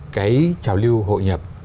cái trào lưu hội nhập